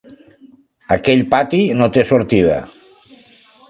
Aquell pati no té sortida.